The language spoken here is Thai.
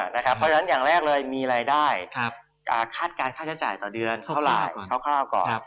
เพราะฉะนั้นอย่างแรกเลยมีรายได้คาดการณ์ค่าใช้จ่ายต่อเดือนเท่าไหร่คร่าวก่อน